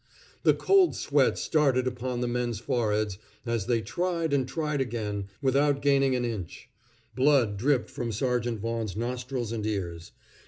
The cold sweat started upon his men's foreheads as they tried and tried again, without gaining an inch. Blood dripped from Sergeant Vaughan's nostrils and ears.